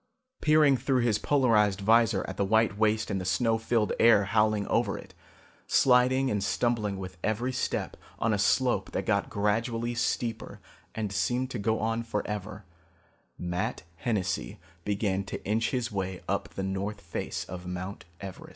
Peering through his polarized vizor at the white waste and the snow filled air howling over it, sliding and stumbling with every step on a slope that got gradually steeper and seemed to go on forever, Matt Hennessy began to inch his way up the north face of Mount Everest.